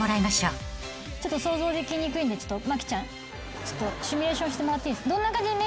想像できにくいんで麻貴ちゃんシミュレーションしてもらっていい？